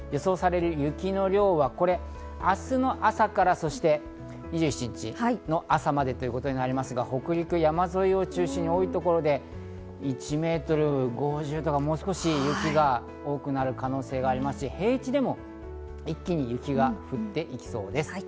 予想される雪の量は明日の朝から２７日の朝までとなりますが、北陸山沿いを中心に多い所で１ｍ５０とか、もう少し雪が多くなる可能性がありますし、平地でも一気に雪が降ってきそうです。